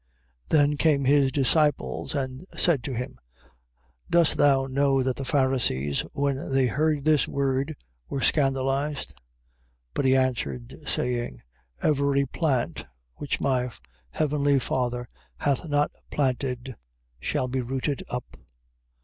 Then came his disciples, and said to him: Dost thou know that the Pharisees, when they heard this word, were scandalized? 15:13. But he answering, said: Every plant which my heavenly Father hath not planted, shall be rooted up.